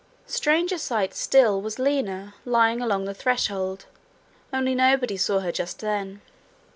Stranger sight still was Lina lying along the threshold only nobody saw her just then.